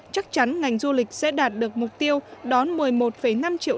chắc chắn ngành du lịch sẽ đạt được mục tiêu đón một mươi một năm triệu